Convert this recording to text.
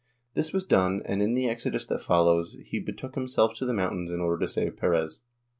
This was done and, in the exodus that followed, he betook himself to the mountains in order to save Perez.